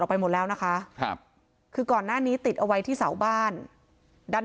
ไปหมดแล้วนะคะครับคือก่อนหน้านี้ติดเอาไว้ที่เสาบ้านด้าน